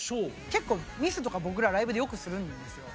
結構ミスとか僕らライブでよくするんですよ。